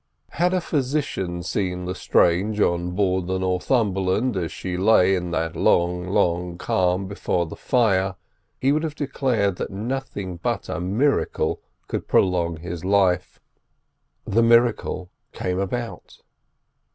Had a physician seen Lestrange on board the Northumberland as she lay in that long, long calm before the fire, he would have declared that nothing but a miracle could prolong his life. The miracle came about.